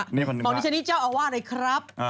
นี่เนรฟันถึงพระของนิชย์นี้เจ้าอาวาสเลยครับ